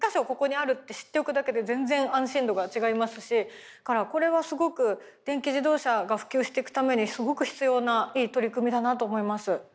ここにあるって知っておくだけで全然安心度が違いますしだからこれはすごく電気自動車が普及していくためにすごく必要ないい取り組みだなと思います。